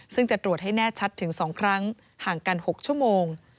ซึ่งจะตรวจให้แน่ชัดถึง๒ครั้งห่างกัน๖ชั่วโมง